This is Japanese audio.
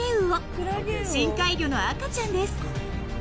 ［深海魚の赤ちゃんです］